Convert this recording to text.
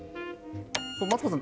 マツコさん